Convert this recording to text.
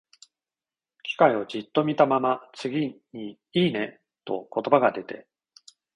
機械をじっと見たまま、次に、「いいね」と言葉が出て、